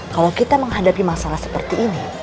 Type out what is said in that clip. kalau kita menghadapi masalah seperti ini